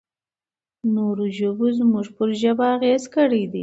نورو ژبو زموږ پر ژبه اغېز کړی دی.